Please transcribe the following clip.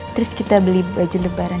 terus kita beli baju lebaran